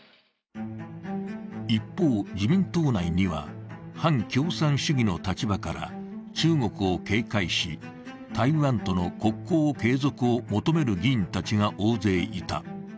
一方、自民党内には反共産主義の立場から中国を警戒し台湾との国交継続を求める議員たちが大勢いた。